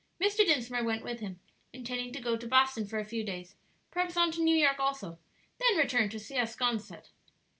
Mr. Dinsmore went with him, intending to go to Boston for a few days, perhaps on to New York also, then return to Siasconset.